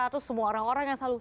terus semua orang orang yang selalu